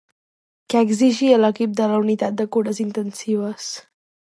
Què exigia l'equip de la unitat de cures intensives?